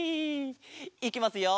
いきますよ。